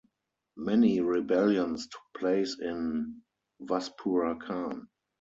Many rebellions took place in Vaspurakan.